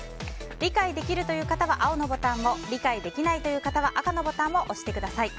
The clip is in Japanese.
理解できるという方は青のボタンを理解できないという方は赤のボタンを押してください。